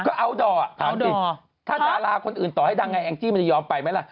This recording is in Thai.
ก็อัลดอร์ถามดิถ้าดาราคนอื่นต่อให้ดังไงแองจี้มันจะยอมไปไหมล่ะ